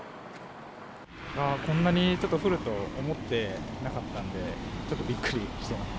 こんなにちょっと降ると思っていなかったんで、ちょっとびっくりしてます。